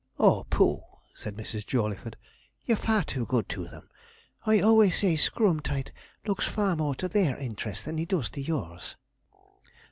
'Oh, pooh!' said Mrs. Jawleyford; 'you're far too good to them. I always say Screwemtight looks far more to their interest than he does to yours.'